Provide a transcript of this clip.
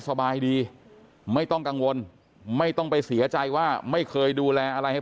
สบายดีไม่ต้องกังวลไม่ต้องไปเสียใจว่าไม่เคยดูแลอะไรให้